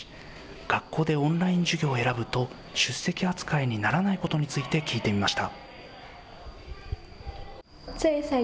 学校でオンライン授業を選ぶと、出席扱いにならないことについて聞いてみました。